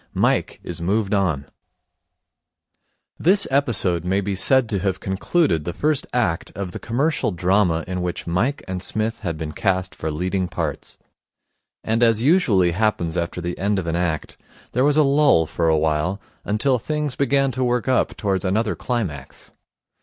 Mike is Moved On This episode may be said to have concluded the first act of the commercial drama in which Mike and Psmith had been cast for leading parts. And, as usually happens after the end of an act, there was a lull for a while until things began to work up towards another climax.